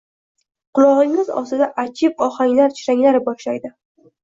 Qulog’ingiz ostida ajib ohanglar jaranglay boshlaydi.